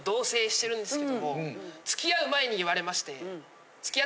付き合う前に言われまして。